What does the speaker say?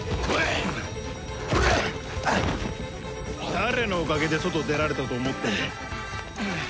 誰のおかげで外に出られたと思ってんだ。